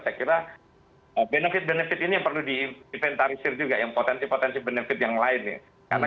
saya kira benefit benefit ini yang perlu diinventarisir juga yang potensi potensi benefit yang lain ya